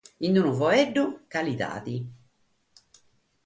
In unu faeddu: calidade.